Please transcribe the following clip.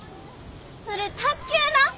それ卓球な。